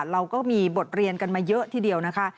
เราก็มีบทเรียนกันมาเยอะทีเดียวนะคะ